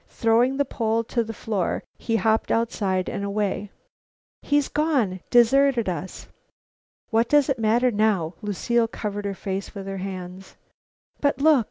Throwing the pole to the floor, he hopped outside and away. "He's gone! Deserted us!" "What does it matter now?" Lucile covered her face with her hands. "But look!"